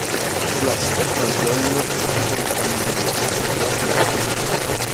Place Terrepintonne, cinquante-trois mille cent cinquante Montsûrs